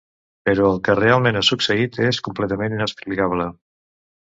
Però el que realment ha succeït és completament inexplicable.